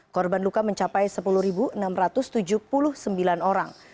korban luka mencapai sepuluh enam ratus tujuh puluh sembilan orang